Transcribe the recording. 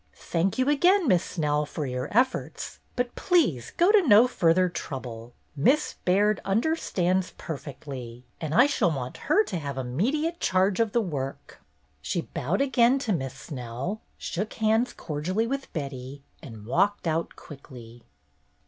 Thank you again. Miss Snell, for your efforts, but please go to no further trouble. Miss Baird under stands perfectly, and I shall want her to have immediate charge of the work." She bowed again to Miss Snell, shook hands cordially with Betty, and walked out quickly.